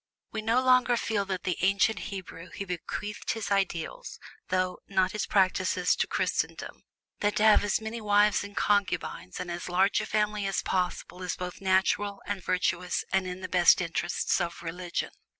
We no longer feel with the ancient Hebrew who bequeathed his ideals, though not his practices, to Christendom, that to have as many wives and concubines and as large a family as possible is both natural and virtuous and in the best interests of religion.